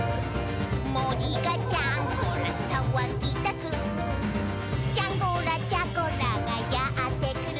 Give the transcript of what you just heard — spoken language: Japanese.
「もりがジャンゴラさわぎだす」「ジャンゴラ・ジャゴラがやってくる」